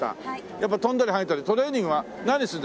やっぱり跳んだりはねたりトレーニングは何するんですか？